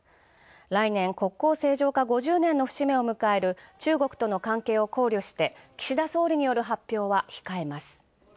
来年、国交正常化５０年の節目を迎える、中国との関係を考慮して、岸田総理からの発表は控えます。